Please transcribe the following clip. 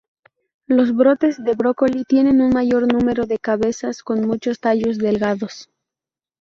Los brotes de brócoli tienen un mayor número de cabezas, con muchos tallos delgados.